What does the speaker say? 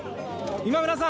今村さん！